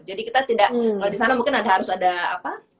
jadi kita tidak kalau disana mungkin harus ada apa